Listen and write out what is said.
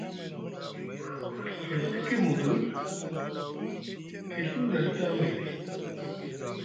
E tiki muguɗu, e Ɵi wulaɗi tamayɗi.